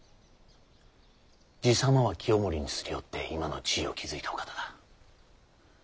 爺様は清盛に擦り寄って今の地位を築いたお方だ。